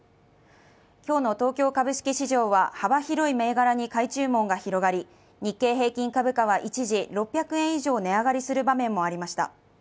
今日の東京株式市場は幅広い銘柄に買い注文が広がり日経平均株価は一時、６００円以上値上がりする場面もありました。